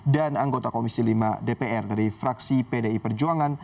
dan anggota komisi lima dpr dari fraksi pdi perjuangan